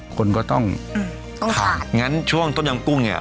คนก็ต้องอืมต้องทานงั้นช่วงต้นยำกุ้งเนี้ย